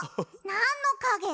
なんのかげ？